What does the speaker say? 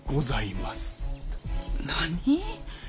何？